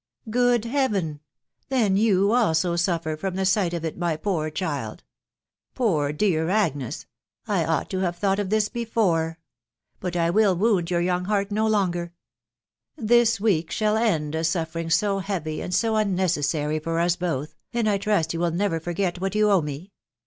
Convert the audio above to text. €S Good Heaven !•.•• then you also suffer from the sight of it, my poor child !.••. Poor dear Agnes ! I ought to have thought of this before ;..•• but I will wound your young heart no longer. This week shall end a suffering so heavy, and so unnecessary for us both, and I trust you will never forget what you owe me.